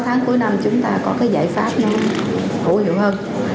để sáu tháng cuối năm chúng ta có cái giải pháp nó hữu hiệu hơn